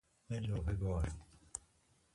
اضافه بار